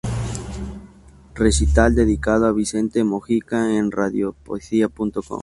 Recital dedicado a Vicente Mojica en Radiopoesia.com